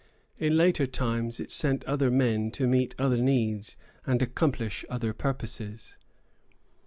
In later times it sent other men to meet other needs and accomplish other purposes.